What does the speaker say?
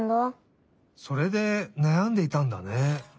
それでなやんでいたんだね。